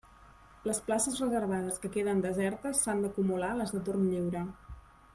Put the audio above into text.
Les places reservades que queden desertes s'han d'acumular a les de torn lliure.